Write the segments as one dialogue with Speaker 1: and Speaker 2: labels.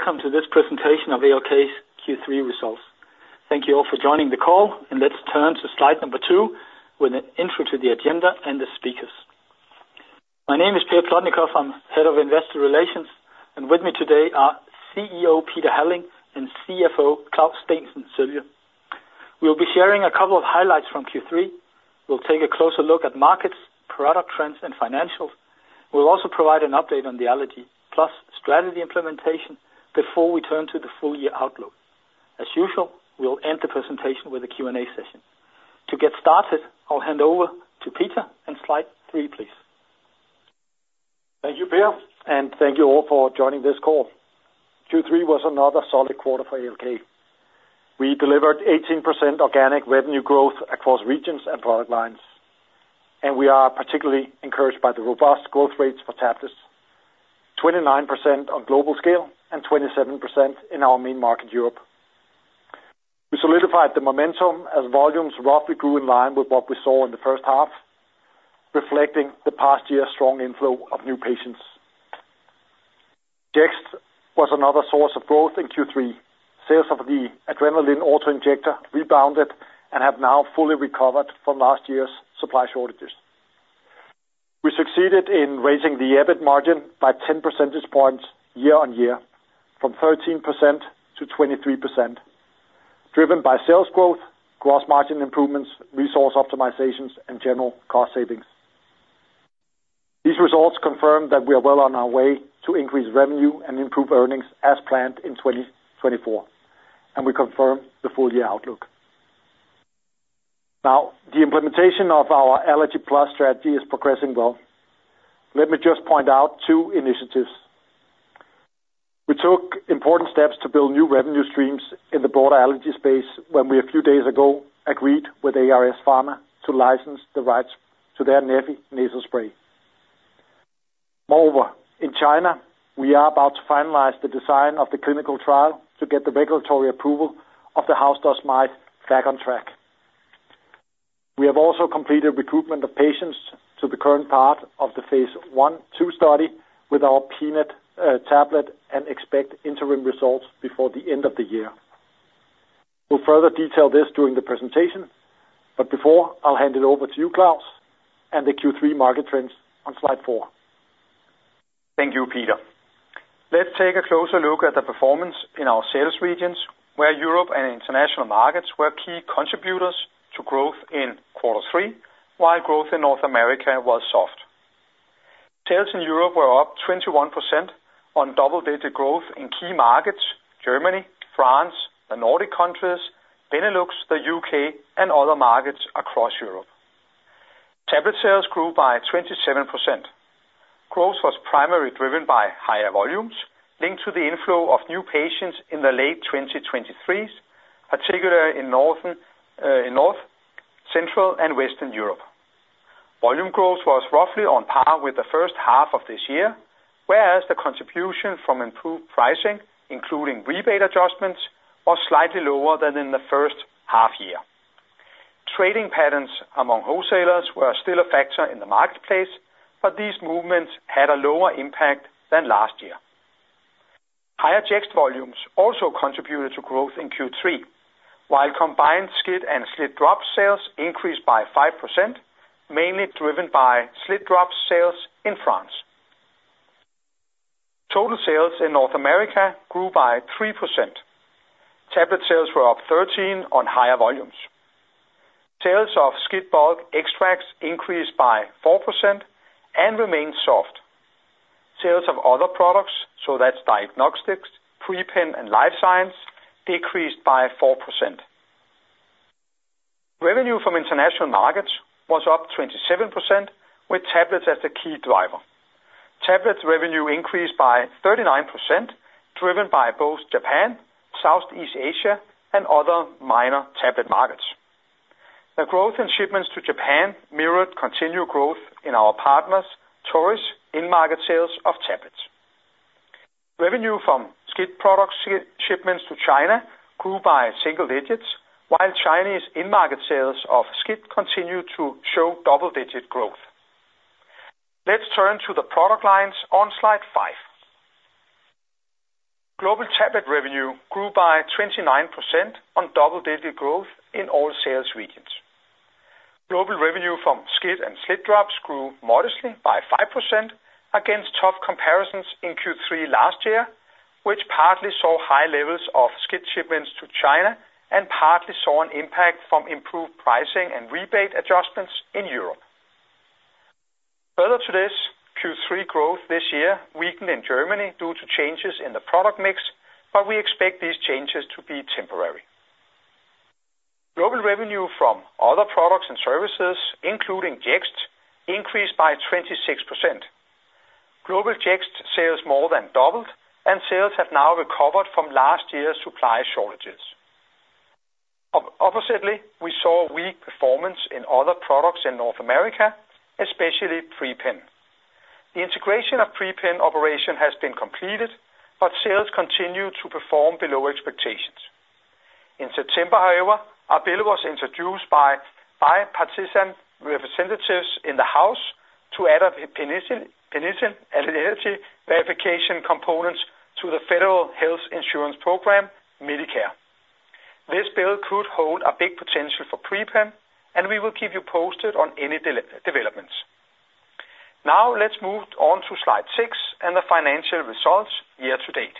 Speaker 1: Hello, everyone, and welcome to this presentation of ALK's Q3 results. Thank you all for joining the call, and let's turn to slide number two with an intro to the agenda and the speakers. My name is Per Plotnikof. I'm head of investor relations, and with me today are CEO Peter Halling and CFO Claus Steensen Sølje. We'll be sharing a couple of highlights from Q3. We'll take a closer look at markets, product trends, and financials. We'll also provide an update on the ALK+ strategy implementation before we turn to the full-year outlook. As usual, we'll end the presentation with a Q&A session. To get started, I'll hand over to Peter. And slide three, please.
Speaker 2: Thank you, Peter, and thank you all for joining this call. Q3 was another solid quarter for ALK. We delivered 18% organic revenue growth across regions and product lines, and we are particularly encouraged by the robust growth rates for tablets: 29% on global scale and 27% in our main market, Europe. We solidified the momentum as volumes roughly grew in line with what we saw in the first half, reflecting the past year's strong inflow of new patients. Jext was another source of growth in Q3. Sales of the adrenaline auto-injector rebounded and have now fully recovered from last year's supply shortages. We succeeded in raising the EBIT margin by 10 percentage points year-on-year, from 13% to 23%, driven by sales growth, gross margin improvements, resource optimizations, and general cost savings. These results confirm that we are well on our way to increase revenue and improve earnings as planned in 2024, and we confirm the full-year outlook. Now, the implementation of our ALK+ strategy is progressing well. Let me just point out two initiatives. We took important steps to build new revenue streams in the broader allergy space when we, a few days ago, agreed with ARS Pharma to license the rights to their Neffy nasal spray. Moreover, in China, we are about to finalize the design of the clinical trial to get the regulatory approval of the house dust mite back on track. We have also completed recruitment of patients to the current part of the phase 1/2 study with our peanut tablet and expect interim results before the end of the year. We'll further detail this during the presentation, but before I'll hand it over to you, Claus, and the Q3 market trends on slide four.
Speaker 1: Thank you, Peter. Let's take a closer look at the performance in our sales regions, where Europe and international markets were key contributors to growth in quarter three, while growth in North America was soft. Sales in Europe were up 21% on double-digit growth in key markets: Germany, France, the Nordic countries, Benelux, the UK, and other markets across Europe. Tablet sales grew by 27%. Growth was primarily driven by higher volumes linked to the inflow of new patients in late 2023, particularly in northern, north, central, and western Europe. Volume growth was roughly on par with the first half of this year, whereas the contribution from improved pricing, including rebate adjustments, was slightly lower than in the first half year. Trading patterns among wholesalers were still a factor in the marketplace, but these movements had a lower impact than last year. Higher Jext volumes also contributed to growth in Q3, while combined SCIT and SLIT drop sales increased by 5%, mainly driven by SLIT drop sales in France. Total sales in North America grew by 3%. Tablet sales were up 13% on higher volumes. Sales of SCIT bulk extracts increased by 4% and remained soft. Sales of other products, so that's diagnostics, Pre-Pen, and life science, decreased by 4%. Revenue from international markets was up 27%, with tablets as the key driver. Tablet revenue increased by 39%, driven by both Japan, Southeast Asia, and other minor tablet markets. The growth in shipments to Japan mirrored continued growth in our partners' towards in-market sales of tablets. Revenue from SCIT product shipments to China grew by single digits, while Chinese in-market sales of SCIT continued to show double-digit growth. Let's turn to the product lines on slide five. Global tablet revenue grew by 29% on double-digit growth in all sales regions. Global revenue from SCIT and SLIT drops grew modestly by 5% against tough comparisons in Q3 last year, which partly saw high levels of SCIT shipments to China and partly saw an impact from improved pricing and rebate adjustments in Europe. Further to this, Q3 growth this year weakened in Germany due to changes in the product mix, but we expect these changes to be temporary. Global revenue from other products and services, including Jext, increased by 26%. Global Jext sales more than doubled, and sales have now recovered from last year's supply shortages. Oppositely, we saw weak performance in other products in North America, especially Pre-Pen. The integration of Pre-Pen operation has been completed, but sales continue to perform below expectations. In September, however, Abelló was introduced by bipartisan representatives in the House to add a penicillin allergy verification component to the federal health insurance program, Medicare. This bill could hold a big potential for Pre-Pen, and we will keep you posted on any developments. Now, let's move on to slide six and the financial results year to date.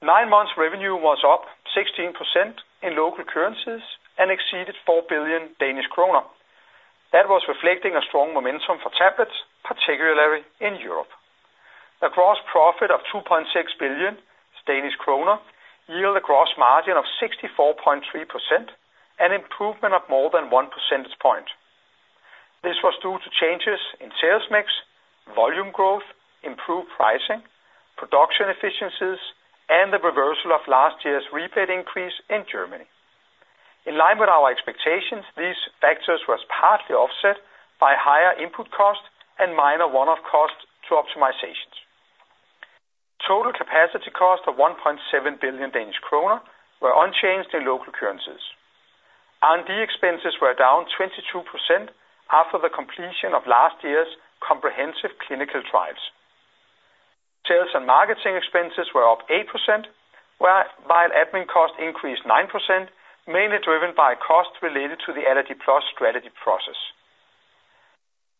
Speaker 1: Nine months' revenue was up 16% in local currencies and exceeded 4 billion Danish kroner. That was reflecting a strong momentum for tablets, particularly in Europe. The gross profit of 2.6 billion Danish kroner yielded a gross margin of 64.3% and improvement of more than 1 percentage point. This was due to changes in sales mix, volume growth, improved pricing, production efficiencies, and the reversal of last year's rebate increase in Germany. In line with our expectations, these factors were partly offset by higher input cost and minor one-off cost to optimizations. Total capacity cost of 1.7 billion Danish kroner were unchanged in local currencies. R&D expenses were down 22% after the completion of last year's comprehensive clinical trials. Sales and marketing expenses were up 8%, while admin cost increased 9%, mainly driven by costs related to the ALK+ strategy process.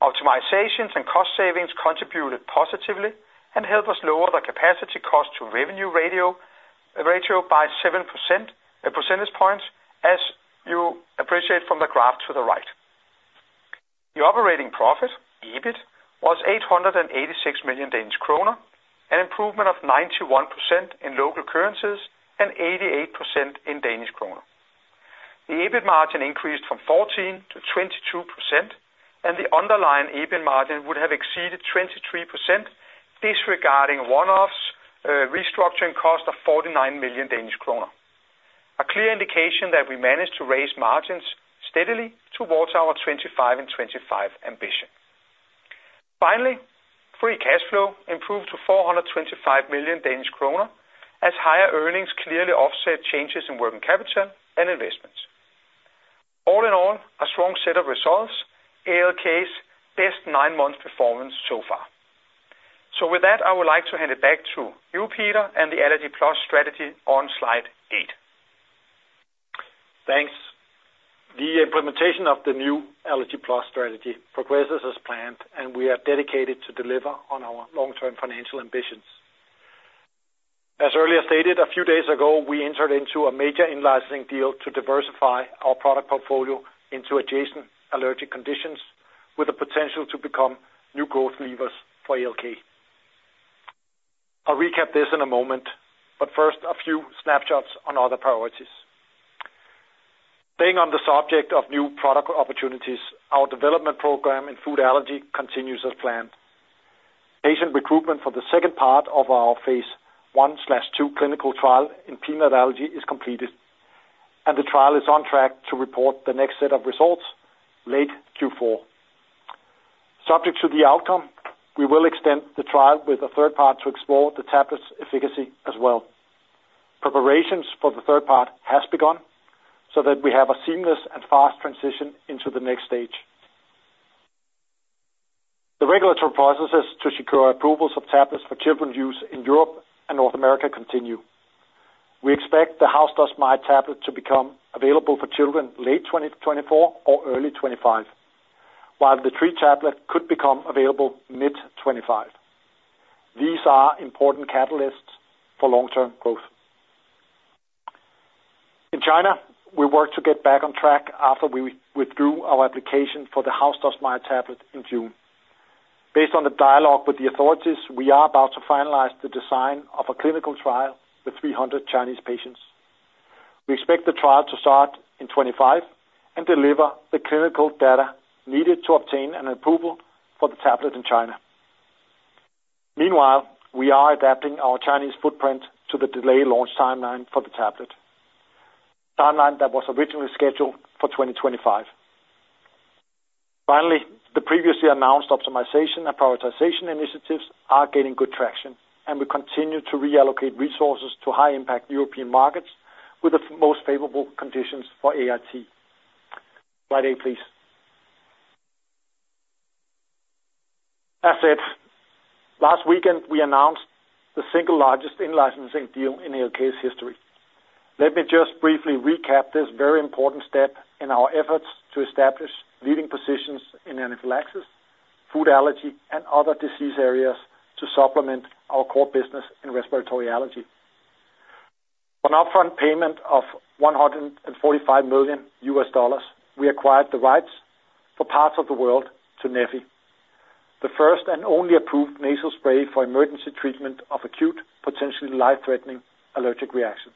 Speaker 1: Optimizations and cost savings contributed positively and helped us lower the capacity cost to revenue ratio by 7 percentage points, as you appreciate from the graph to the right. The operating profit, EBIT, was 886 million Danish kroner, an improvement of 91% in local currencies and 88% in Danish Krone. The EBIT margin increased from 14% to 22%, and the underlying EBIT margin would have exceeded 23%, disregarding one-offs restructuring cost of 49 million Danish kroner. A clear indication that we managed to raise margins steadily towards our 25 and 25 ambition. Finally, free cash flow improved to 425 million Danish kroner, as higher earnings clearly offset changes in working capital and investments. All in all, a strong set of results, ALK's best nine months' performance so far. With that, I would like to hand it back to you, Peter, and the ALK+ strategy on slide eight. Thanks.
Speaker 2: The implementation of the new ALK+ strategy progresses as planned, and we are dedicated to deliver on our long-term financial ambitions. As earlier stated, a few days ago, we entered into a major in-licensing deal to diversify our product portfolio into adjacent allergic conditions, with the potential to become new growth levers for ALK. I'll recap this in a moment, but first, a few snapshots on other priorities. Staying on the subject of new product opportunities, our development program in food allergy continues as planned. Patient recruitment for the second part of our phase 1/2 clinical trial in peanut allergy is completed, and the trial is on track to report the next set of results late Q4. Subject to the outcome, we will extend the trial with a third part to explore the tablet's efficacy as well. Preparations for the third part have begun so that we have a seamless and fast transition into the next stage. The regulatory processes to secure approvals of tablets for children's use in Europe and North America continue. We expect the house dust mite tablet to become available for children late 2024 or early 2025, while the tree tablet could become available mid 2025. These are important catalysts for long-term growth. In China, we work to get back on track after we withdrew our application for the house dust mite tablet in June. Based on the dialogue with the authorities, we are about to finalize the design of a clinical trial with 300 Chinese patients. We expect the trial to start in 2025 and deliver the clinical data needed to obtain an approval for the tablet in China. Meanwhile, we are adapting our Chinese footprint to the delayed launch timeline for the tablet, a timeline that was originally scheduled for 2025. Finally, the previously announced optimization and prioritization initiatives are gaining good traction, and we continue to reallocate resources to high-impact European markets with the most favorable conditions for AIT. Slide eight, please. As said, last weekend, we announced the single largest in-licensing deal in ALK's history. Let me just briefly recap this very important step in our efforts to establish leading positions in anaphylaxis, food allergy, and other disease areas to supplement our core business in respiratory allergy. On upfront payment of $145 million, we acquired the rights for parts of the world to Neffy, the first and only approved nasal spray for emergency treatment of acute, potentially life-threatening allergic reactions.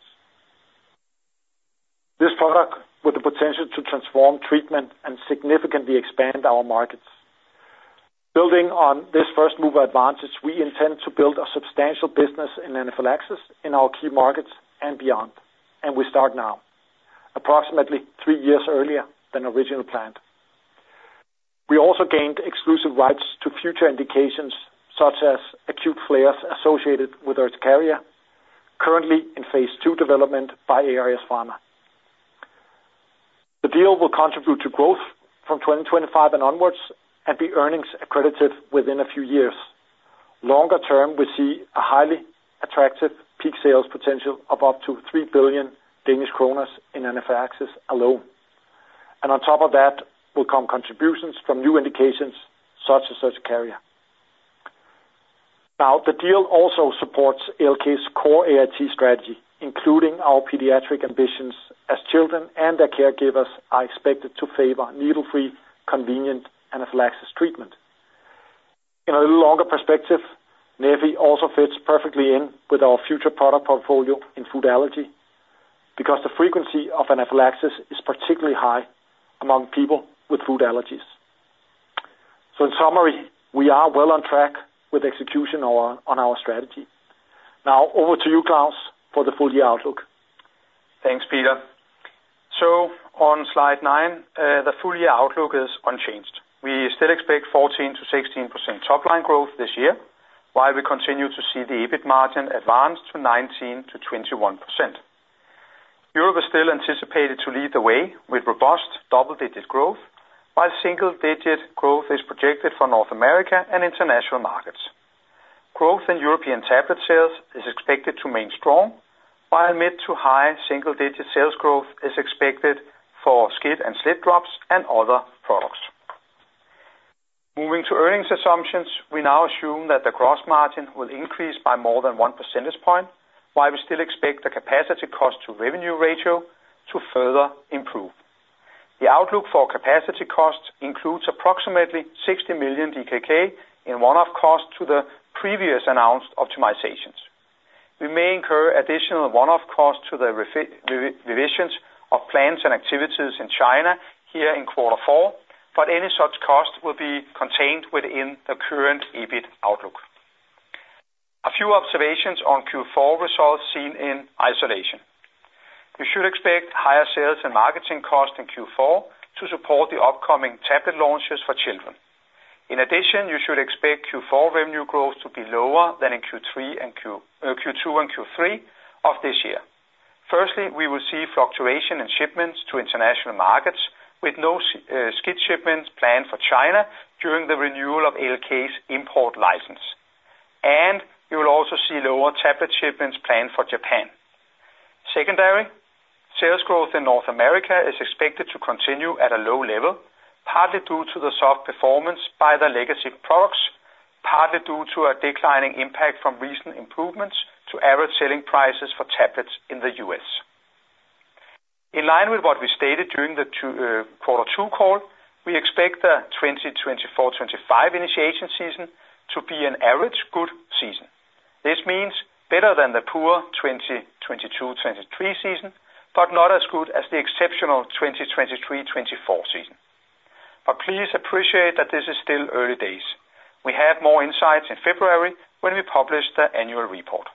Speaker 2: This product with the potential to transform treatment and significantly expand our markets. Building on this first mover advantage, we intend to build a substantial business in anaphylaxis in our key markets and beyond, and we start now, approximately three years earlier than originally planned. We also gained exclusive rights to future indications such as acute flares associated with urticaria, currently in phase 2 development by ARS Pharma. The deal will contribute to growth from 2025 and onwards and be earnings accretive within a few years. Longer term, we see a highly attractive peak sales potential of up to 3 billion Danish kroner in anaphylaxis alone. And on top of that, will come contributions from new indications such as urticaria. Now, the deal also supports ALK's core AIT strategy, including our pediatric ambitions as children and their caregivers are expected to favor needle-free convenient anaphylaxis treatment. In a longer perspective, Neffy also fits perfectly in with our future product portfolio in food allergy because the frequency of anaphylaxis is particularly high among people with food allergies. So in summary, we are well on track with execution on our strategy. Now, over to you, Claus, for the full year outlook.
Speaker 3: Thanks, Peter. So on slide nine, the full year outlook is unchanged. We still expect 14%-16% top line growth this year, while we continue to see the EBIT margin advance to 19%-21%. Europe is still anticipated to lead the way with robust double-digit growth, while single-digit growth is projected for North America and international markets. Growth in European tablet sales is expected to remain strong, while mid to high single-digit sales growth is expected for SCIT and SLIT drops and other products. Moving to earnings assumptions, we now assume that the gross margin will increase by more than one percentage point, while we still expect the capacity cost to revenue ratio to further improve. The outlook for capacity cost includes approximately 60 million DKK in one-off cost to the previously announced optimizations. We may incur additional one-off cost to the revisions of plans and activities in China here in quarter four, but any such cost will be contained within the current EBIT outlook. A few observations on Q4 results seen in isolation. You should expect higher sales and marketing cost in Q4 to support the upcoming tablet launches for children. In addition, you should expect Q4 revenue growth to be lower than in Q2 and Q3 of this year. Firstly, we will see fluctuation in shipments to international markets with no SCIT shipments planned for China during the renewal of ALK's import license. And you will also see lower tablet shipments planned for Japan. Secondly, sales growth in North America is expected to continue at a low level, partly due to the soft performance by the legacy products, partly due to a declining impact from recent improvements to average selling prices for tablets in the U.S. In line with what we stated during the quarter two call, we expect the 2024-2025 initiation season to be an average good season. This means better than the poor 2022-2023 season, but not as good as the exceptional 2023-2024 season. But please appreciate that this is still early days. We have more insights in February when we publish the annual report.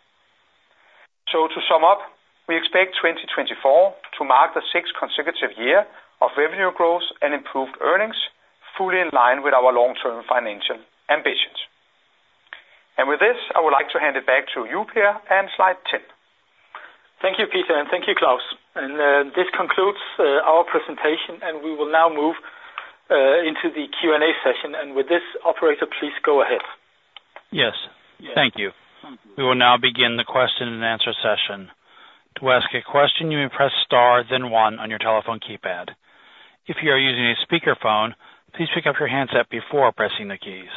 Speaker 3: So to sum up, we expect 2024 to mark the sixth consecutive year of revenue growth and improved earnings, fully in line with our long-term financial ambitions. And with this, I would like to hand it back to you, Peter, and slide ten.
Speaker 1: Thank you, Peter, and thank you, Claus. And this concludes our presentation, and we will now move into the Q&A session. And with this, operator, please go ahead.
Speaker 4: Yes, thank you. We will now begin the question and answer session. To ask a question, you may press star, then one on your telephone keypad. If you are using a speakerphone, please pick up your handset before pressing the keys.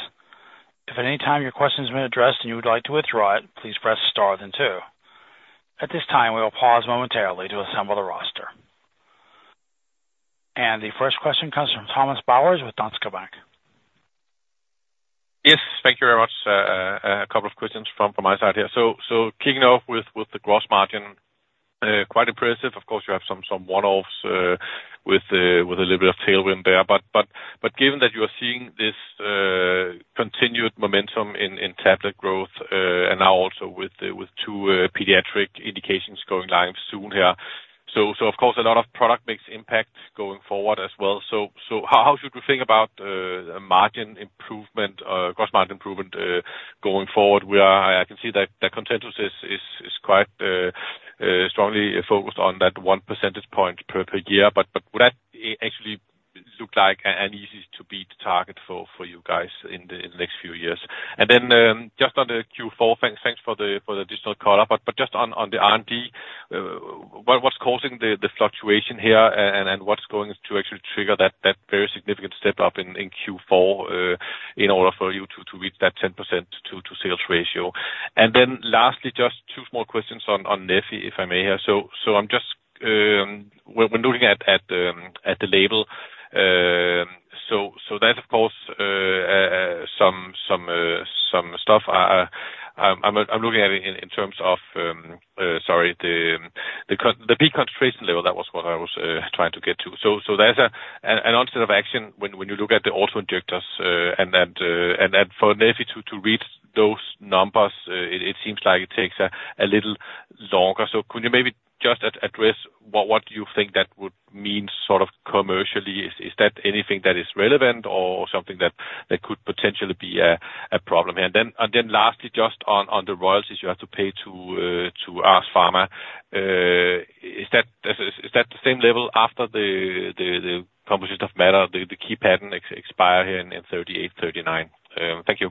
Speaker 4: If at any time your question has been addressed and you would like to withdraw it, please press star, then two. At this time, we will pause momentarily to assemble the roster. And the first question comes from Thomas Bowers with Danske Bank.
Speaker 5: Yes, thank you very much. A couple of questions from my side here. So kicking off with the gross margin, quite impressive. Of course, you have some one-offs with a little bit of tailwind there. But given that you are seeing this continued momentum in tablet growth, and now also with two pediatric indications going live soon here. So of course, a lot of product makes impact going forward as well. So how should we think about margin improvement, gross margin improvement going forward? I can see that consensus is quite strongly focused on that one percentage point per year. But would that actually look like an easy-to-beat target for you guys in the next few years? And then just on the Q4, thanks for the additional color. But just on the R&D, what's causing the fluctuation here, and what's going to actually trigger that very significant step up in Q4 in order for you to reach that 10% to sales ratio? And then lastly, just two small questions on Neffy, if I may have. So I'm just looking at the label. So there's, of course, some stuff I'm looking at in terms of, sorry, the peak concentration level. That was what I was trying to get to. So there's an onset of action when you look at the auto-injectors. And then for Neffy to reach those numbers, it seems like it takes a little longer. So could you maybe just address what you think that would mean sort of commercially? Is that anything that is relevant or something that could potentially be a problem here? And then lastly, just on the royalties you have to pay to ARS Pharma, is that the same level after the composition of matter, the key patent expires here in 2038, 2039? Thank you.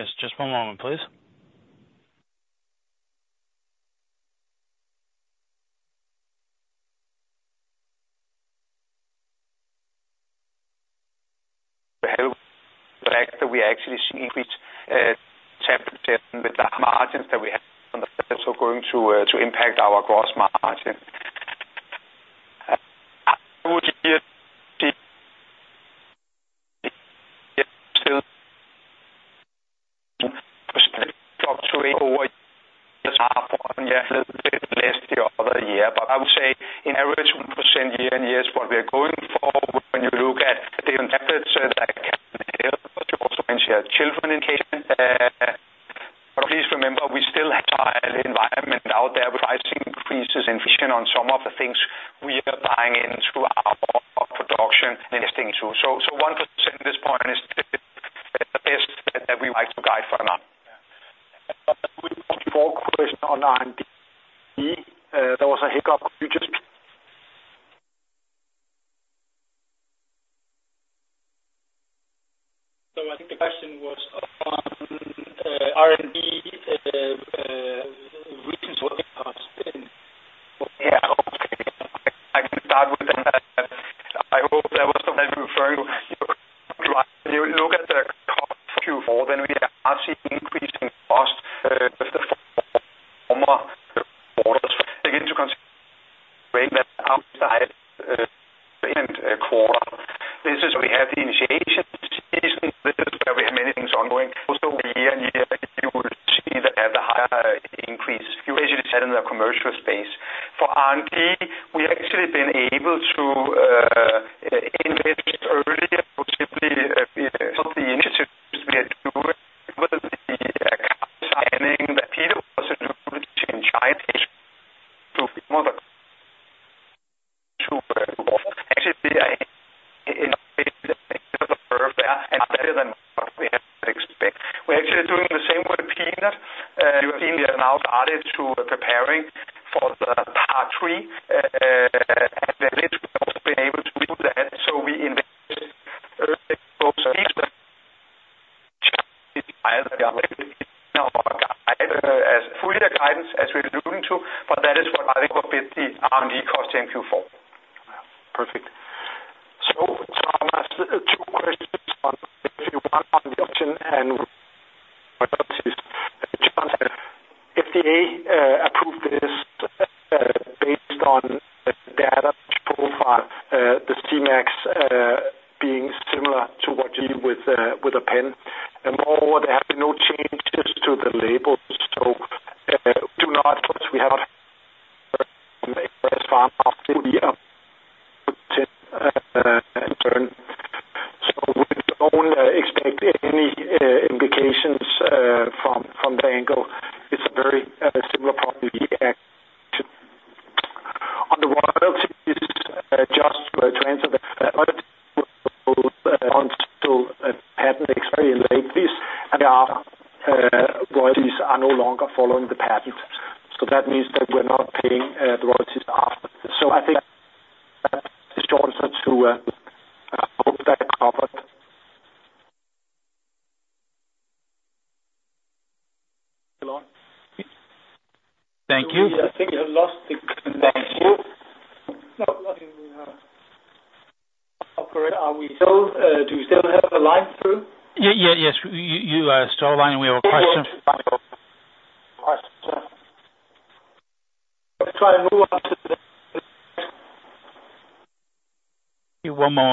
Speaker 5: Hello?
Speaker 4: Yes, just one moment, please.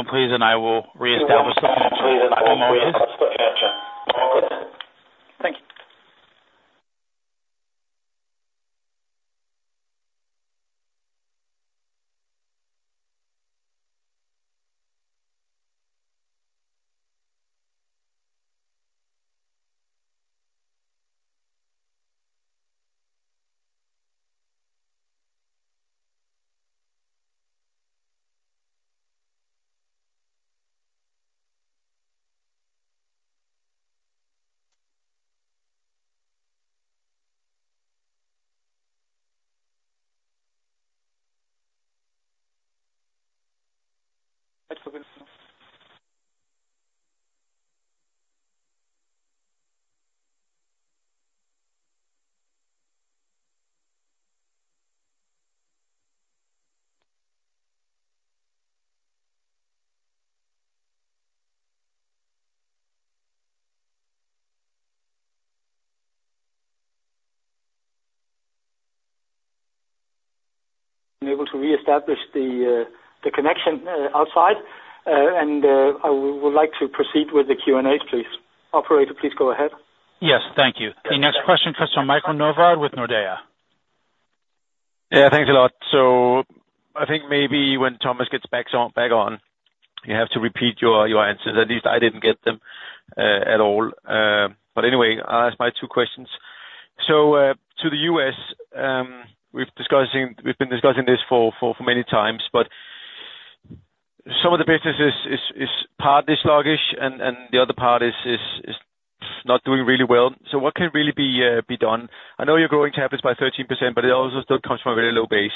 Speaker 4: please, and I will reestablish the line.
Speaker 2: Thank you. Unable to reestablish the connection outside, and I would like to proceed with the Q&A, please. Operator, please go ahead.
Speaker 4: Yes, thank you. The next question comes from Michael Novod with Nordea.
Speaker 6: Yeah, thanks a lot. So I think maybe when Thomas gets back on, you have to repeat your answers. At least I didn't get them at all. But anyway, I'll ask my two questions. So to the U.S., we've been discussing this for many times, but some of the businesses' part is sluggish, and the other part is not doing really well. So what can really be done? I know you're growing tablets by 13%, but it also still comes from a very low base.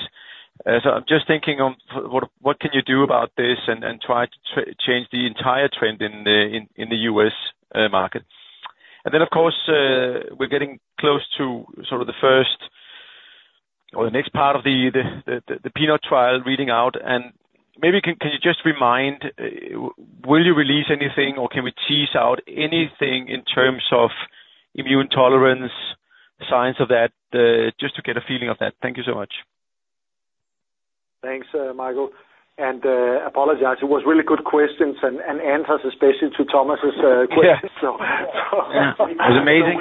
Speaker 6: So I'm just thinking of what can you do about this and try to change the entire trend in the U.S. market? And then, of course, we're getting close to sort of the first or the next part of the peanut trial reading out. Maybe can you just remind, will you release anything, or can we tease out anything in terms of immune tolerance, science of that, just to get a feeling of that? Thank you so much.
Speaker 3: Thanks, Michael. Apologies. It was really good questions and answers, especially to Thomas's questions.
Speaker 6: It was amazing.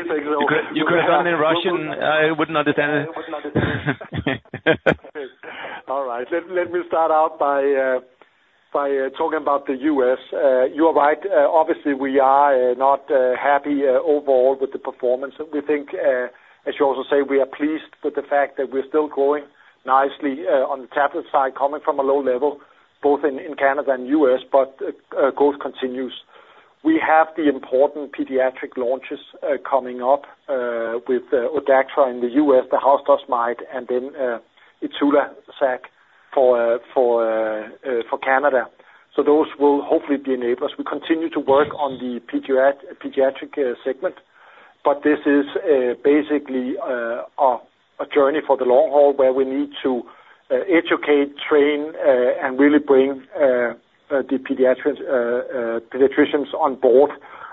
Speaker 6: You could have done it in Russian. I wouldn't understand it.
Speaker 3: All right. Let me start out by talking about the U.S. You are right. Obviously, we are not happy overall with the performance. We think, as you also say, we are pleased with the fact that we're still growing nicely on the tablet side, coming from a low level, both in Canada and U.S., but growth continues. We have the important pediatric launches coming up with ODACTRA in the U.S., the House Dust Mite, and then ITULAZAX for Canada. So those will hopefully be enablers. We continue to work on the pediatric segment, but this is basically a journey for the long haul where we need to educate, train, and really bring the pediatricians on board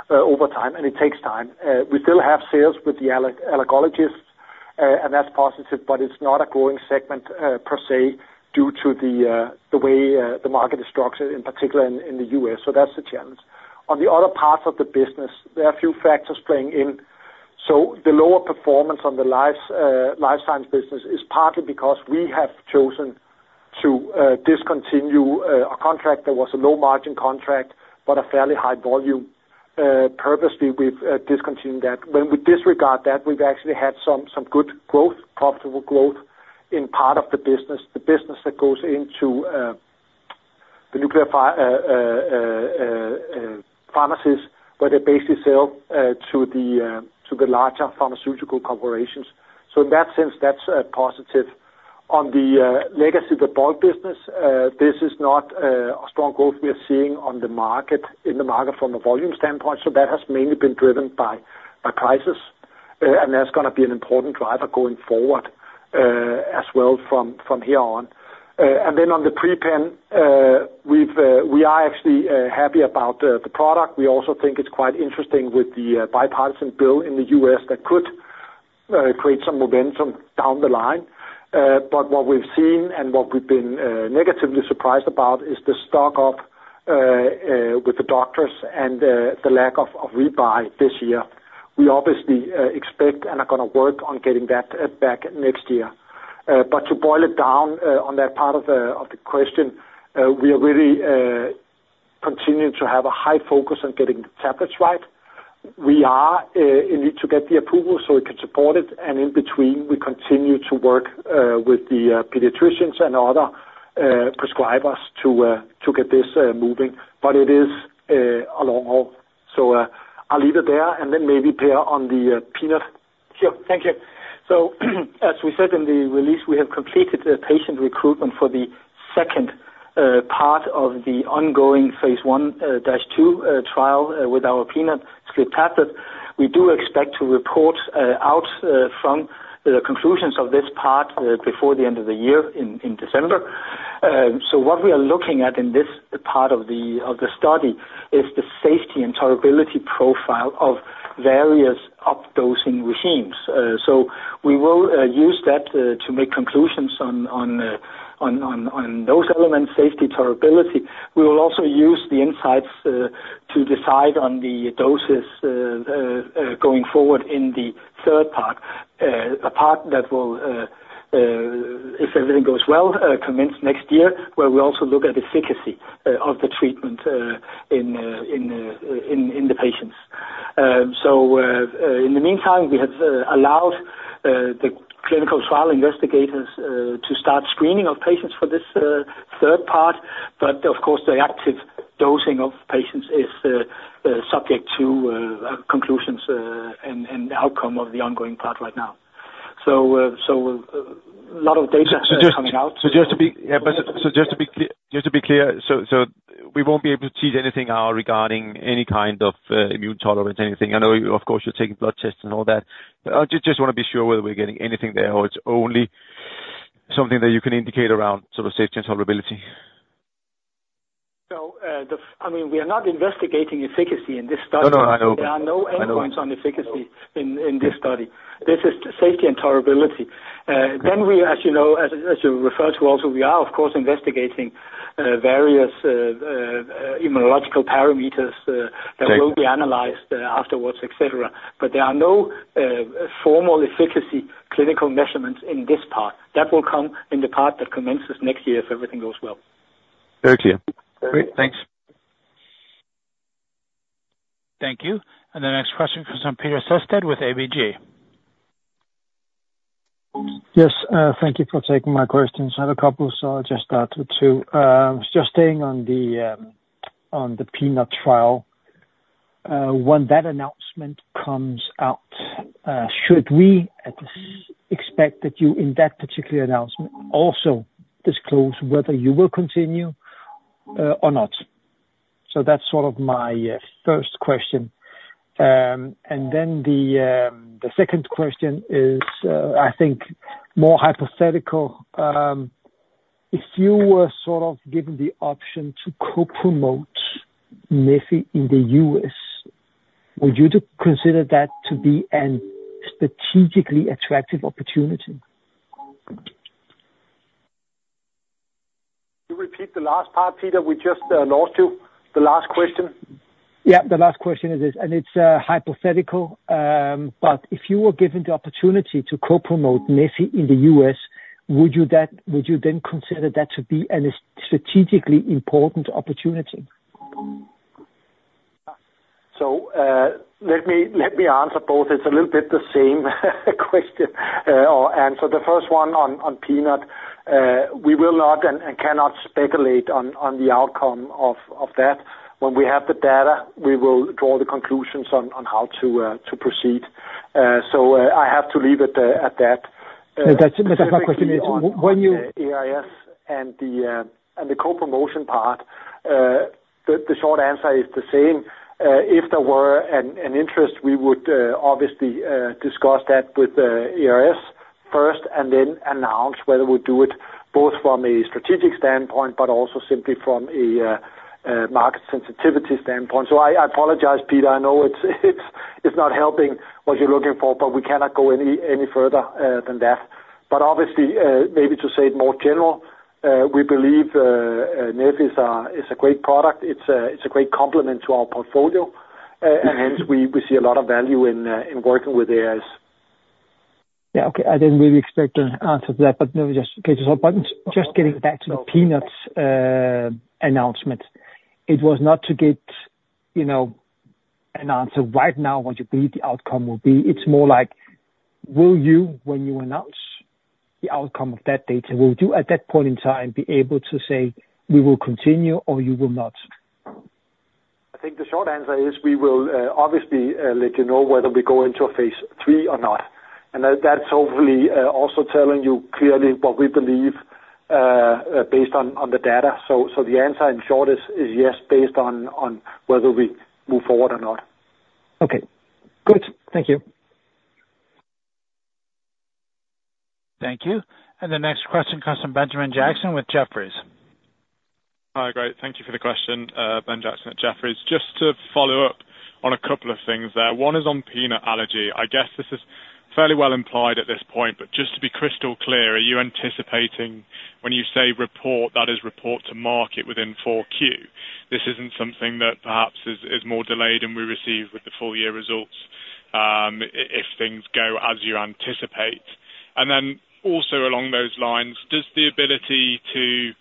Speaker 3: over time. It takes time. We still have sales with the allergologists, and that's positive, but it's not a growing segment per se due to the way the market is structured, in particular in the U.S. So that's the challenge. On the other parts of the business, there are a few factors playing in. So the lower performance on the life science business is partly because we have chosen to discontinue a contract that was a low-margin contract, but a fairly high volume. Purposely, we've discontinued that. When we disregard that, we've actually had some good growth, profitable growth in part of the business, the business that goes into the nuclear pharmacies, where they basically sell to the larger pharmaceutical corporations. So in that sense, that's positive. On the legacy of the bulk business, this is not a strong growth we are seeing in the market from a volume standpoint. So that has mainly been driven by prices, and that's going to be an important driver going forward as well from here on. And then on the Pre-Pen, we are actually happy about the product. We also think it's quite interesting with the bipartisan bill in the U.S. that could create some momentum down the line. But what we've seen and what we've been negatively surprised about is the stock up with the doctors and the lack of rebuy this year. We obviously expect and are going to work on getting that back next year. But to boil it down on that part of the question, we are really continuing to have a high focus on getting the tablets right. We are in need to get the approval so we can support it. And in between, we continue to work with the pediatricians and other prescribers to get this moving. But it is a long haul. So I'll leave it there. And then maybe Peter on the peanut.
Speaker 2: Sure. Thank you. So as we said in the release, we have completed the patient recruitment for the second part of the ongoing phase 1/2 trial with our peanut SLIT tablet. We do expect to report out from the conclusions of this part before the end of the year in December. So what we are looking at in this part of the study is the safety and tolerability profile of various up-dosing regimens. So we will use that to make conclusions on those elements, safety, tolerability. We will also use the insights to decide on the doses going forward in the third part, a part that will, if everything goes well, commence next year, where we also look at efficacy of the treatment in the patients. So in the meantime, we have allowed the clinical trial investigators to start screening of patients for this third part. But of course, the active dosing of patients is subject to conclusions and outcome of the ongoing part right now. So a lot of data is coming out.
Speaker 6: So just to be clear, so we won't be able to tease anything out regarding any kind of immune tolerance, anything. I know, of course, you're taking blood tests and all that. I just want to be sure whether we're getting anything there or it's only something that you can indicate around sort of safety and tolerability.
Speaker 2: I mean, we are not investigating efficacy in this study.
Speaker 6: No, no, I know.
Speaker 2: There are no endpoints on efficacy in this study. This is safety and tolerability. Then we, as you know, as you referred to also, we are, of course, investigating various immunological parameters that will be analyzed afterwards, etc. But there are no formal efficacy clinical measurements in this part. That will come in the part that commences next year if everything goes well.
Speaker 6: Very clear.
Speaker 2: Great. Thanks.
Speaker 4: Thank you. And the next question comes from Peter Sehested with ABG.
Speaker 7: Yes. Thank you for taking my questions. I have a couple, so I'll just start with two. Just staying on the peanut trial, when that announcement comes out, should we expect that you, in that particular announcement, also disclose whether you will continue or not? So that's sort of my first question. And then the second question is, I think, more hypothetical. If you were sort of given the option to co-promote Neffy in the U.S., would you consider that to be a strategically attractive opportunity?
Speaker 3: Can you repeat the last part, Peter? We just lost you. The last question.
Speaker 7: Yeah, the last question is this. And it's hypothetical. But if you were given the opportunity to co-promote Neffy in the U.S., would you then consider that to be a strategically important opportunity?
Speaker 3: So let me answer both. It's a little bit the same question or answer. The first one on peanut, we will not and cannot speculate on the outcome of that. When we have the data, we will draw the conclusions on how to proceed. So I have to leave it at that.
Speaker 7: That's my question. When you.
Speaker 3: ARS and the co-promotion part, the short answer is the same. If there were an interest, we would obviously discuss that with ARS first and then announce whether we do it both from a strategic standpoint, but also simply from a market sensitivity standpoint. So I apologize, Peter. I know it's not helping what you're looking for, but we cannot go any further than that. But obviously, maybe to say it more general, we believe Neffy is a great product. It's a great complement to our portfolio. And hence, we see a lot of value in working with ARS.
Speaker 7: Yeah. Okay. I didn't really expect an answer to that, but let me just get your thought. But just getting back to the peanut announcement, it was not to get an answer right now what you believe the outcome will be. It's more like, when you announce the outcome of that data, will you at that point in time be able to say, "We will continue," or "You will not"?
Speaker 3: I think the short answer is we will obviously let you know whether we go into a phase three or not, and that's hopefully also telling you clearly what we believe based on the data, so the answer in short is yes, based on whether we move forward or not.
Speaker 7: Okay. Good. Thank you.
Speaker 4: Thank you. And the next question comes from Benjamin Jackson with Jefferies.
Speaker 8: Hi, great. Thank you for the question, Ben Jackson at Jefferies. Just to follow up on a couple of things there. One is on peanut allergy. I guess this is fairly well implied at this point, but just to be crystal clear, are you anticipating when you say report, that is report to market within Q4? This isn't something that perhaps is more delayed than we receive with the full year results if things go as you anticipate. And then also along those lines, does the ability to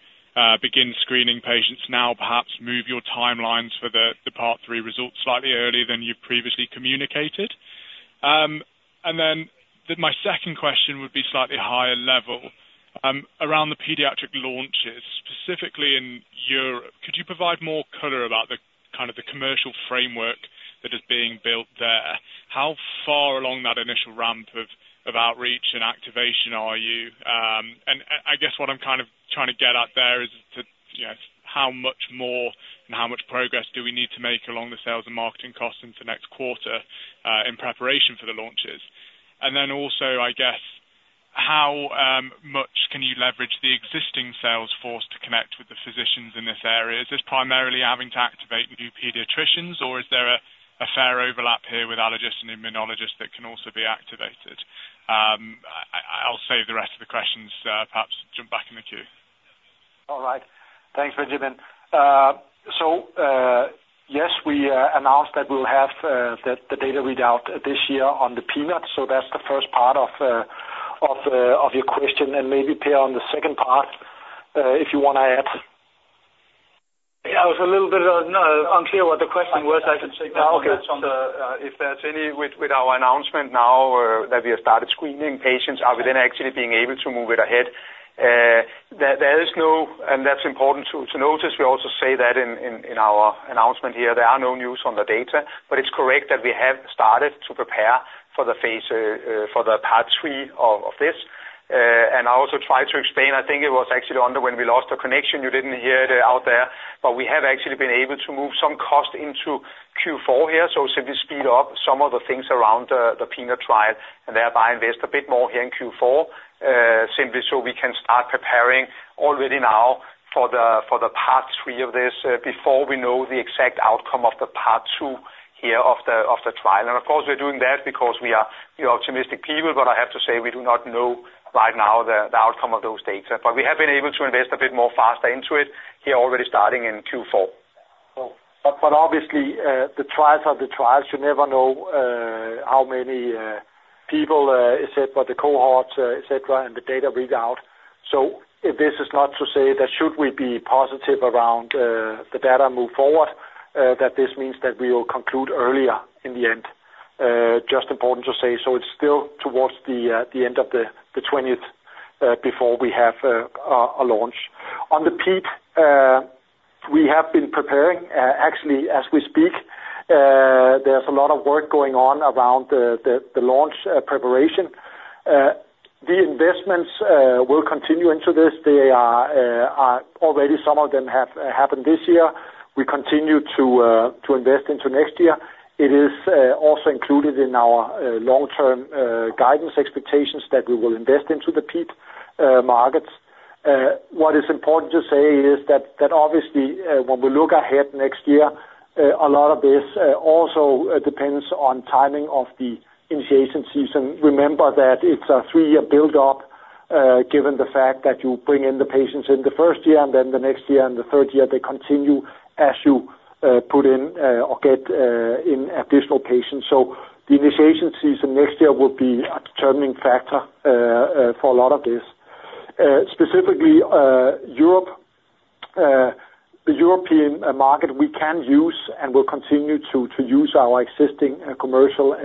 Speaker 8: begin screening patients now perhaps move your timelines for the Phase 3 results slightly earlier than you've previously communicated? And then my second question would be slightly higher level. Around the pediatric launches, specifically in Europe, could you provide more color about the kind of commercial framework that is being built there? How far along that initial ramp of outreach and activation are you? And I guess what I'm kind of trying to get at there is how much more and how much progress do we need to make along the sales and marketing costs into next quarter in preparation for the launches? And then also, I guess, how much can you leverage the existing sales force to connect with the physicians in this area? Is this primarily having to activate new pediatricians, or is there a fair overlap here with allergists and immunologists that can also be activated? I'll save the rest of the questions. Perhaps jump back in the queue.
Speaker 2: All right. Thanks, Benjamin. So yes, we announced that we'll have the data readout this year on the peanut. So that's the first part of your question. And maybe Per on the second part if you want to add.
Speaker 3: Yeah, I was a little bit unclear what the question was. I can take that. Okay. If there's any with our announcement now that we have started screening patients, are we then actually being able to move it ahead? There is no, and that's important to notice. We also say that in our announcement here, there are no news on the data, but it's correct that we have started to prepare for the phase, for the part three of this. I also tried to explain. I think it was actually when we lost the connection. You didn't hear it out there, but we have actually been able to move some cost into Q4 here. So simply speed up some of the things around the peanut trial and thereby invest a bit more here in Q4, simply so we can start preparing already now for the part three of this before we know the exact outcome of the part two here of the trial. Of course, we're doing that because we are optimistic people, but I have to say we do not know right now the outcome of those data. But we have been able to invest a bit more faster into it here, already starting in Q4. But obviously, the trials are the trials. You never know how many people, etc., the cohorts, etc., and the data readout.
Speaker 2: So this is not to say that should we be positive around the data and move forward, that this means that we will conclude earlier in the end. Just important to say. So it's still towards the end of the 20th before we have a launch. On the peanut, we have been preparing. Actually, as we speak, there's a lot of work going on around the launch preparation. The investments will continue into this. Already, some of them have happened this year. We continue to invest into next year. It is also included in our long-term guidance expectations that we will invest into the peanut markets. What is important to say is that obviously, when we look ahead next year, a lot of this also depends on timing of the initiation season. Remember that it's a three-year build-up given the fact that you bring in the patients in the first year, and then the next year and the third year, they continue as you put in or get in additional patients. So the initiation season next year will be a determining factor for a lot of this. Specifically, the European market, we can use and will continue to use our existing commercial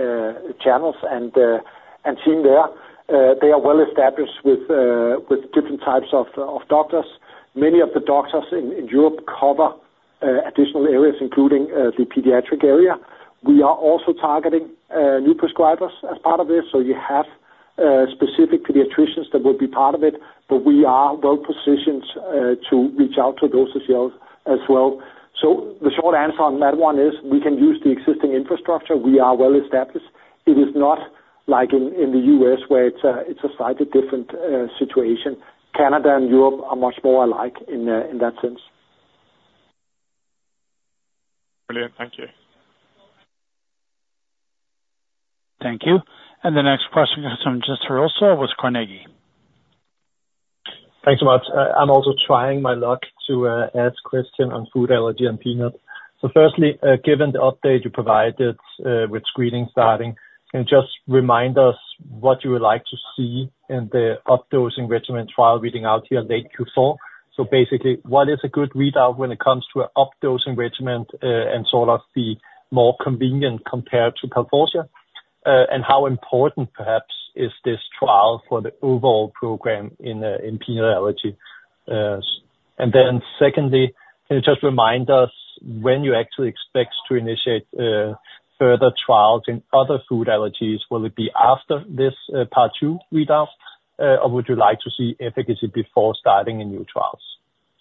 Speaker 2: channels and team there. They are well established with different types of doctors. Many of the doctors in Europe cover additional areas, including the pediatric area. We are also targeting new prescribers as part of this. So you have specific pediatricians that will be part of it, but we are well positioned to reach out to those as well. So the short answer on that one is we can use the existing infrastructure. We are well established. It is not like in the U.S. where it's a slightly different situation. Canada and Europe are much more alike in that sense.
Speaker 8: Brilliant. Thank you.
Speaker 4: Thank you, and the next question comes from Jesper Ilsøe with Carnegie.
Speaker 9: Thanks so much. I'm also trying my luck to ask a question on food allergy and peanut. So firstly, given the update you provided with screening starting, can you just remind us what you would like to see in the updosing regimen trial reading out here late Q4? So basically, what is a good readout when it comes to an updosing regimen and sort of the more convenient compared to Palforzia? And how important perhaps is this trial for the overall program in peanut allergy? And then secondly, can you just remind us when you actually expect to initiate further trials in other food allergies? Will it be after this part two readout, or would you like to see efficacy before starting in new trials?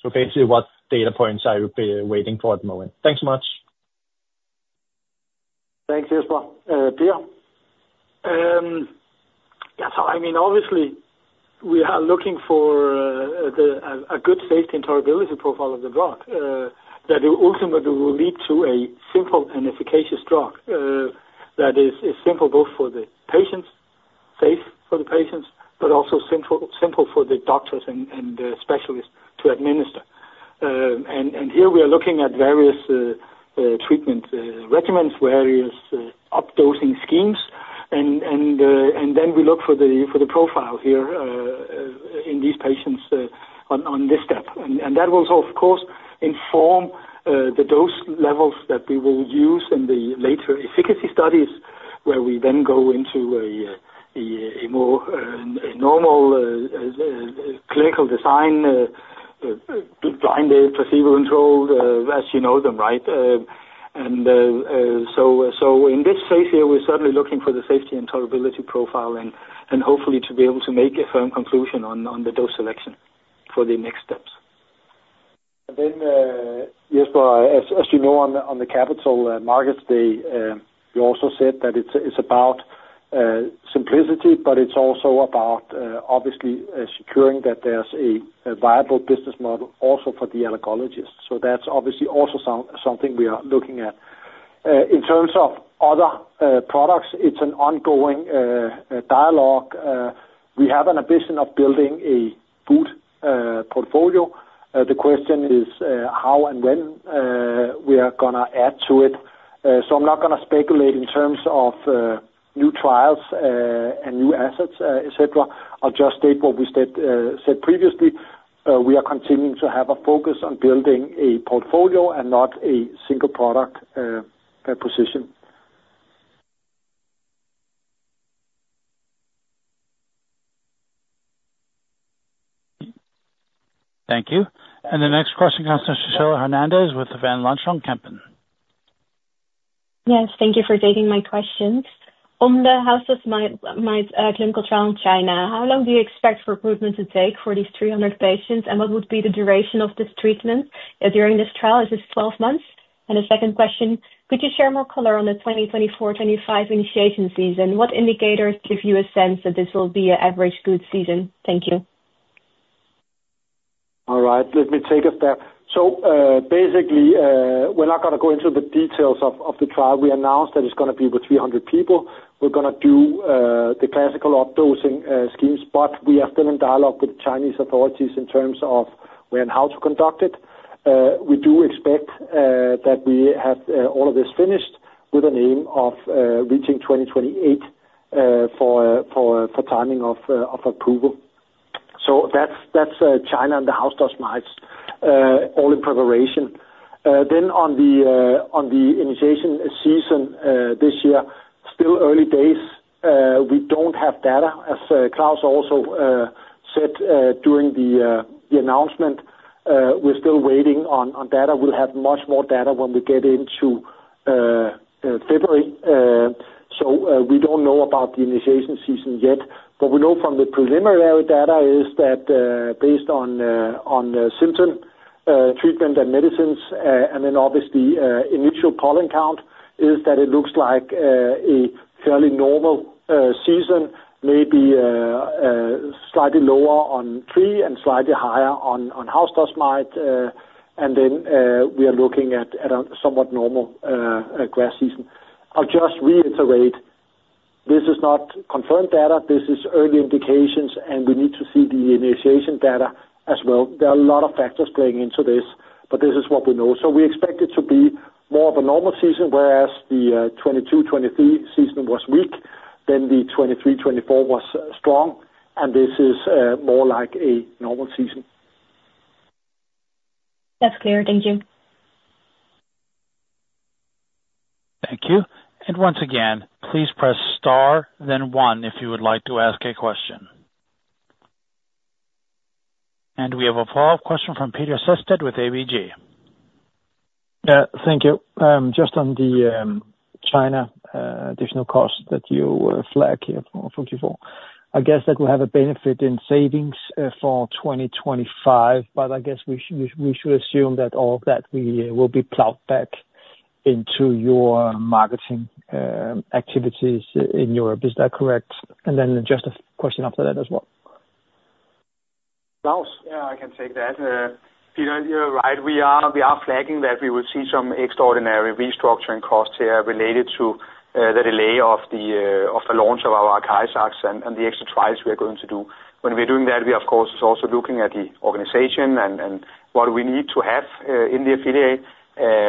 Speaker 9: So basically, what data points are you waiting for at the moment? Thanks so much.
Speaker 3: Thanks, Jesper. Peter.
Speaker 2: Yeah, so I mean, obviously, we are looking for a good safety and tolerability profile of the drug that ultimately will lead to a simple and efficacious drug that is simple both for the patients, safe for the patients, but also simple for the doctors and specialists to administer, and here we are looking at various treatment regimens, various updosing schemes. And then we look for the profile here in these patients on this step, and that will, of course, inform the dose levels that we will use in the later efficacy studies where we then go into a more normal clinical design, blinded, placebo-controlled, as you know them, right? And so in this phase here, we're certainly looking for the safety and tolerability profile and hopefully to be able to make a firm conclusion on the dose selection for the next steps. Jesper, as you know, on the capital markets, you also said that it's about simplicity, but it's also about obviously securing that there's a viable business model also for the allergologist. So that's obviously also something we are looking at. In terms of other products, it's an ongoing dialogue. We have an ambition of building a food portfolio. The question is how and when we are going to add to it. So I'm not going to speculate in terms of new trials and new assets, etc. I'll just state what we said previously. We are continuing to have a focus on building a portfolio and not a single product position.
Speaker 4: Thank you. And the next question comes from Sushila Hernandez with the Van Lanschot Kempen.
Speaker 10: Yes. Thank you for taking my questions. On the house dust mite clinical trial in China, how long do you expect for treatment to take for these 300 patients? And what would be the duration of this treatment during this trial? Is this 12 months? And the second question, could you share more color on the 2024-2025 initiation season? What indicators give you a sense that this will be an average good season? Thank you.
Speaker 2: All right. Let me take a step. So basically, we're not going to go into the details of the trial. We announced that it's going to be with 300 people. We're going to do the classical updosing schemes, but we have been in dialogue with the Chinese authorities in terms of when and how to conduct it. We do expect that we have all of this finished with an aim of reaching 2028 for timing of approval. So that's China and the house dust mites all in preparation. Then on the initiation season this year, still early days. We don't have data, as Claus also said during the announcement. We're still waiting on data. We'll have much more data when we get into February. So we don't know about the initiation season yet. What we know from the preliminary data is that based on symptom treatment and medicines, and then obviously initial pollen count, is that it looks like a fairly normal season, maybe slightly lower on tree and slightly higher on house dust mite, and then we are looking at a somewhat normal grass season. I'll just reiterate, this is not confirmed data. This is early indications, and we need to see the initiation data as well. There are a lot of factors playing into this, but this is what we know, so we expect it to be more of a normal season, whereas the 2022-2023 season was weak, then the 2023-2024 was strong, and this is more like a normal season.
Speaker 10: That's clear. Thank you.
Speaker 4: Thank you. And once again, please press star, then one if you would like to ask a question. And we have a follow-up question from Peter Sehested with ABG.
Speaker 7: Yeah, thank you. Just on the China additional cost that you flag here for Q4, I guess that will have a benefit in savings for 2025, but I guess we should assume that all of that will be plowed back into your marketing activities in Europe. Is that correct, and then just a question after that as well.
Speaker 2: Claus, yeah, I can take that. Peter, you're right. We are flagging that we will see some extraordinary restructuring costs here related to the delay of the launch of ACARIZAX and the extra trials we are going to do. When we're doing that, we, of course, are also looking at the organization and what we need to have in the affiliate.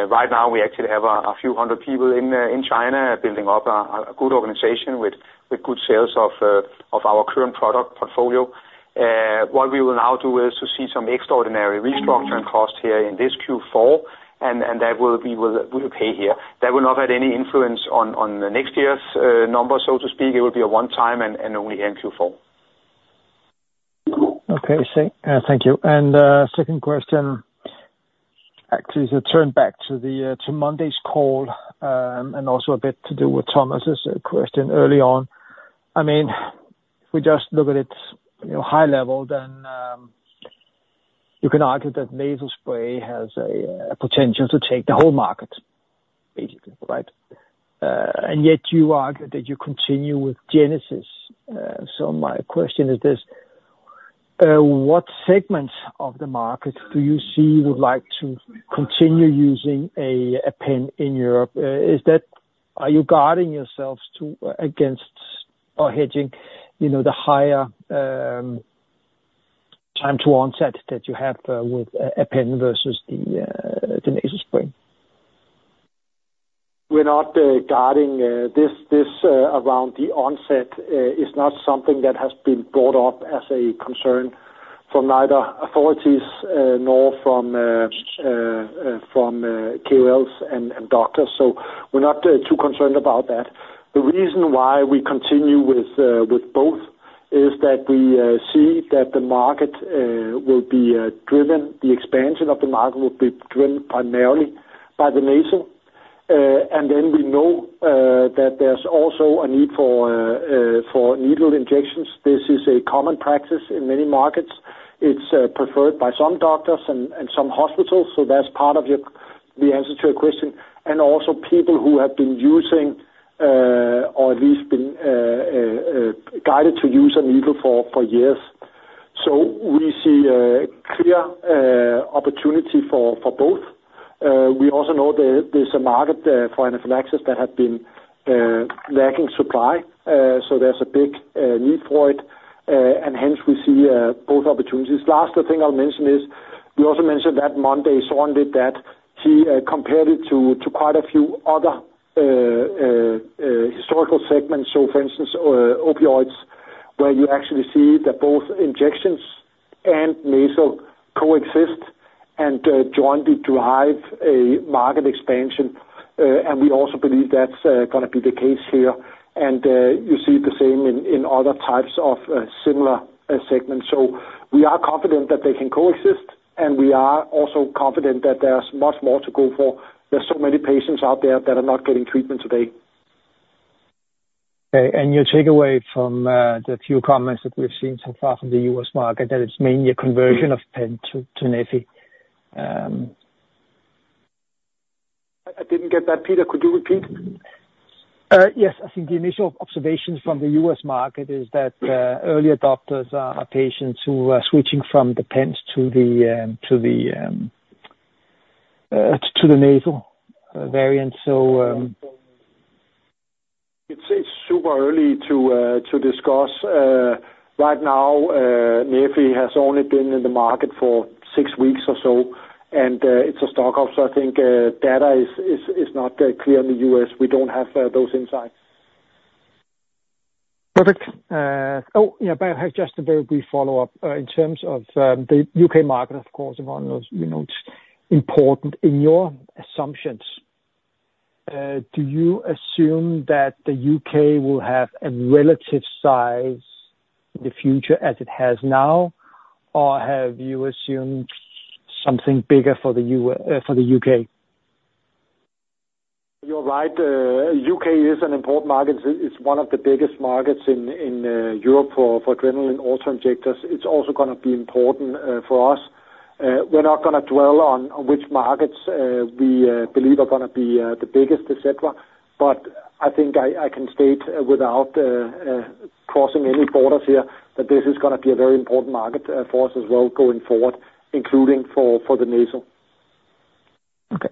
Speaker 2: Right now, we actually have a few hundred people in China building up a good organization with good sales of our current product portfolio. What we will now do is to see some extraordinary restructuring costs here in this Q4, and that we will pay here. That will not have any influence on next year's numbers, so to speak. It will be a one-time and only here in Q4.
Speaker 7: Okay. Thank you. And second question, actually, is a turn back to Monday's call and also a bit to do with Thomas's question early on. I mean, if we just look at it high level, then you can argue that nasal spray has a potential to take the whole market, basically, right? And yet you argue that you continue with Jext. So my question is this. What segments of the market do you see would like to continue using a pen in Europe? Are you guarding yourselves against or hedging the higher time to onset that you have with a pen versus the nasal spray?
Speaker 2: We're not guarding. This around the onset is not something that has been brought up as a concern from neither authorities nor from KOLs and doctors. So we're not too concerned about that. The reason why we continue with both is that we see that the market will be driven. The expansion of the market will be driven primarily by the nasal, and then we know that there's also a need for needle injections. This is a common practice in many markets. It's preferred by some doctors and some hospitals. So that's part of the answer to your question, and also people who have been using or at least been guided to use a needle for years. So we see a clear opportunity for both. We also know there's a market for anaphylaxis that has been lacking supply. So there's a big need for it. Hence, we see both opportunities. Last, the thing I'll mention is we also mentioned that Monday on that he compared it to quite a few other historical segments. For instance, opioids, where you actually see that both injections and nasal coexist and jointly drive a market expansion. We also believe that's going to be the case here. You see the same in other types of similar segments. We are confident that they can coexist, and we are also confident that there's much more to go for. There's so many patients out there that are not getting treatment today.
Speaker 7: Okay. And your takeaway from the few comments that we've seen so far from the U.S. market, that it's mainly a conversion of pen to nasal?
Speaker 2: I didn't get that. Peter, could you repeat?
Speaker 7: Yes. I think the initial observation from the U.S. market is that early adopters are patients who are switching from the pens to the nasal variant. So.
Speaker 2: It's super early to discuss. Right now, nasal has only been in the market for six weeks or so, and it's a stock up. So I think data is not clear in the U.S. We don't have those insights.
Speaker 7: Perfect. Oh, yeah, but I have just a very brief follow-up. In terms of the UK market, of course, one of those we note important in your assumptions. Do you assume that the UK will have a relative size in the future as it has now, or have you assumed something bigger for the UK?
Speaker 2: You're right. U.K. is an important market. It's one of the biggest markets in Europe for adrenaline auto-injectors. It's also going to be important for us. We're not going to dwell on which markets we believe are going to be the biggest, etc. But I think I can state without crossing any borders here that this is going to be a very important market for us as well going forward, including for the nasal.
Speaker 7: Okay.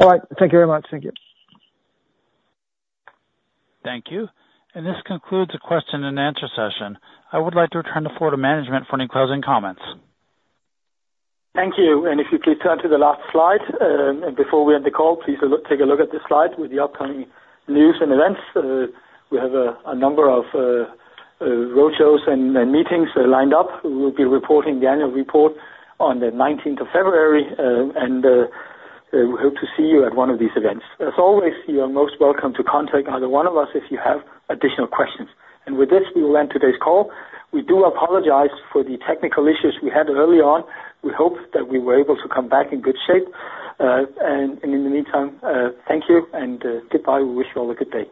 Speaker 7: All right. Thank you very much.
Speaker 2: Thank you.
Speaker 4: Thank you. This concludes the question and answer session. I would like to return the floor to management for any closing comments.
Speaker 2: Thank you. And if you please turn to the last slide. And before we end the call, please take a look at this slide with the upcoming news and events. We have a number of roadshows and meetings lined up. We'll be reporting the annual report on the 19th of February, and we hope to see you at one of these events. As always, you are most welcome to contact either one of us if you have additional questions. And with this, we will end today's call. We do apologize for the technical issues we had early on. We hope that we were able to come back in good shape. And in the meantime, thank you and goodbye. We wish you all a good day.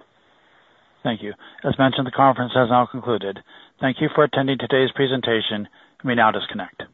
Speaker 4: Thank you. As mentioned, the conference has now concluded. Thank you for attending today's presentation. You may now disconnect.